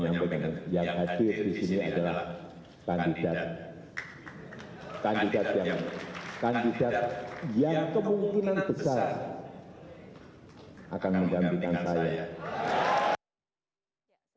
akan menggambikan saya